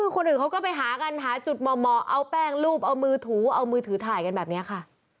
คนอื่นเขาก็ไปหากันหาจุดเหมาะเอาแป้งรูปเอามือถูเอามือถือถ่ายกันแบบนี้ค่ะ